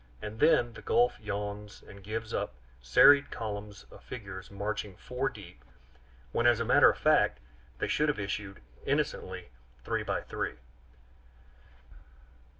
And then the gulf yawns and gives up serried columns of figures marching four deep; when as a matter of fact they should have issued innocently three by three.